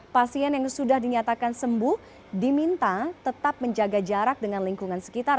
pasien yang sudah dinyatakan sembuh diminta tetap menjaga jarak dengan lingkungan sekitar